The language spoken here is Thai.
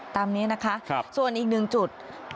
ตามนี้นะคะส่วนอีกหนึ่งจุด